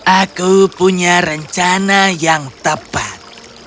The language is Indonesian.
aku punya rencana yang tepat